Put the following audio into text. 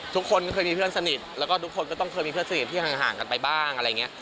ทุกคนเคยมีเพื่อนสนิทแล้วก็ทุกคนก็ต้องเคยมีเพื่อนสนิทที่ห่างกันไปบ้างอะไรอย่างนี้